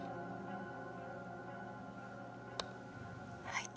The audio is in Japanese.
「はい」